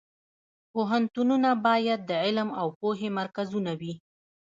پوهنتونونه باید د علم او پوهې مرکزونه وي